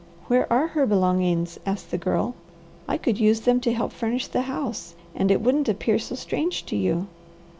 "Where are her belongings?" asked the Girl. "I could use them to help furnish the house, and it wouldn't appear so strange to you."